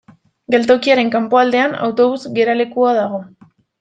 Geltokiaren kanpoaldean autobus geralekua dago.